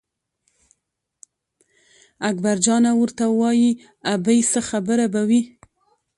اکبرجان ورته وایي ابۍ څه خبره به وي.